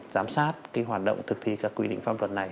giám sát hoạt động thực thi các quy định pháp luật này